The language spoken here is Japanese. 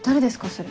それ。